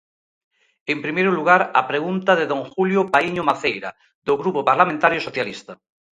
En primeiro lugar, a pregunta de don Julio Paíño Maceira, do Grupo Parlamentario Socialista.